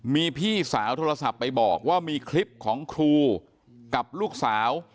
มีพี่สาวโทรศัพท์ไปบอกว่ามีคลิปของครูกับลูกสาว